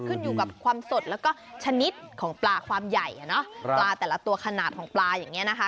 ขึ้นอยู่กับความสดแล้วก็ชนิดของปลาความใหญ่อ่ะเนอะปลาแต่ละตัวขนาดของปลาอย่างนี้นะคะ